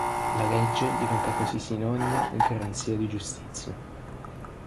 La legge diventa così sinonimo e garanzia di giustizia.